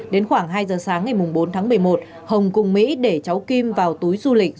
đến khoảng hai giờ sáng ngày bốn tháng một mươi một hồng cùng mỹ để cháu kim vào túi du lịch